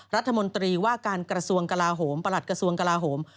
รัฐมนตรีว่าการกระทรวงกลาโหมประหลัดกระทรวงกลาโหม